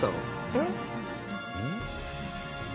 えっ？